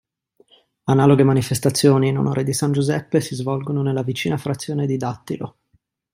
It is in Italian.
Analoghe manifestazioni in onore di San Giuseppe si svolgono nella vicina frazione di Dattilo.